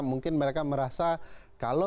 mungkin mereka merasa kalau